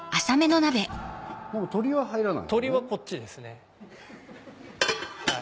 鶏は入らない？